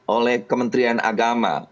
oleh kementerian agama